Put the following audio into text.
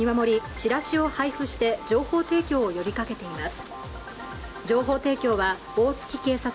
チラシを配布して情報提供を呼びかけています